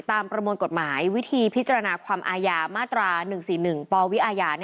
ประมวลกฎหมายวิธีพิจารณาความอาญามาตรา๑๔๑ปวิอาญา